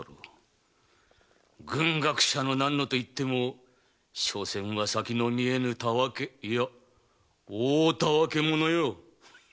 軍学者といっても所詮は先の見えぬ戯けいや大戯け者よ！